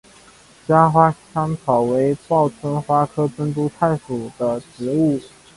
茄花香草为报春花科珍珠菜属的植物。